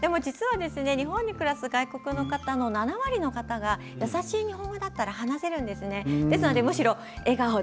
日本に暮らす外国の方、７割の方がやさしい日本語だったら話せるんです。